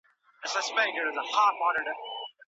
خېمې بې مېخونو نه دریږي.